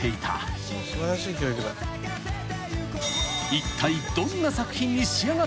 ［いったい］